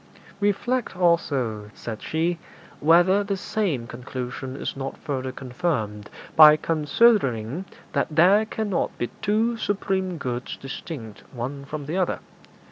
'Reflect, also,' said she, 'whether the same conclusion is not further confirmed by considering that there cannot be two supreme goods distinct one from the other.